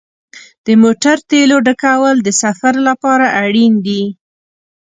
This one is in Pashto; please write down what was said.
د موټر تیلو ډکول د سفر لپاره اړین دي.